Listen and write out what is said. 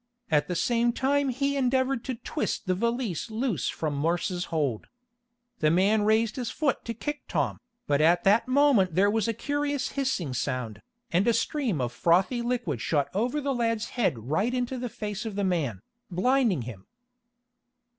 At the same time he endeavored to twist the valise loose from Morse's hold. The man raised his foot to kick Tom, but at that moment there was a curious hissing sound, and a stream of frothy liquid shot over the lad's head right into the face of the man, blinding him.